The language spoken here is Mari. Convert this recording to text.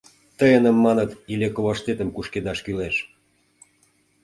Тыйыным, маныт, иле коваштетым кушкедаш кӱлеш!